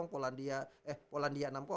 polandia eh polandia enam puluh